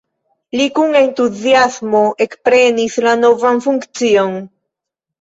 Li kun entuziasmo ekprenis la novan funkcion.